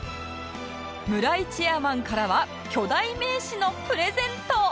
村井チェアマンからは巨大名刺のプレゼント！